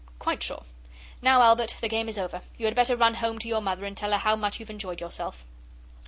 'Quite sure. Now, Albert, the game is over. You had better run home to your mother and tell her how much you've enjoyed yourself.